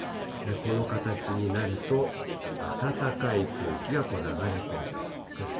この形になると、暖かい空気が流れ込んでくると。